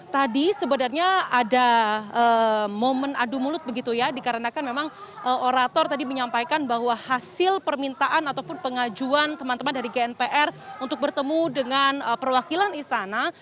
tadi sebenarnya ada momen adu mulut begitu ya dikarenakan memang orator tadi menyampaikan bahwa hasil permintaan ataupun pengajuan teman teman dari gnpr untuk bertemu dengan perwakilan istana